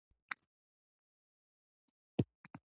هرات د افغان ځوانانو لپاره دلچسپي لري.